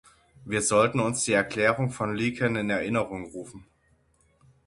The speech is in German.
Wir sollten uns die Erklärung von Laeken in Erinnerung rufen.